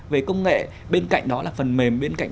về công nghệ bên cạnh đó là phần mềm bên cạnh